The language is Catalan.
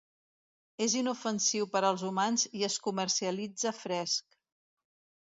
És inofensiu per als humans i es comercialitza fresc.